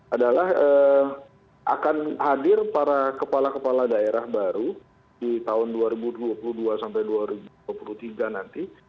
adalah akan hadir para kepala kepala daerah baru di tahun dua ribu dua puluh dua sampai dua ribu dua puluh tiga nanti